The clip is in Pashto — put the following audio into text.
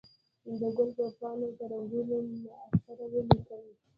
د ګل پر پاڼو به رنګونه معطر ولیکم